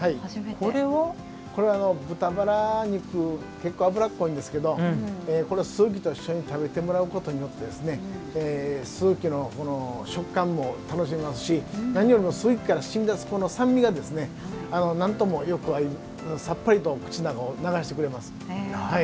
これは、豚バラ肉脂っこいんですけどこれ、すぐきと一緒に食べてもらうことによってすぐきの食感も楽しめますし何よりも、すぐきから染み出す酸味が、なんともよくさっぱりと口の中をならしてくれます。